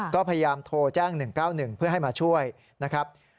ก็พยายามโทรแจ้ง๑๙๑เพื่อให้มาช่วยนะครับ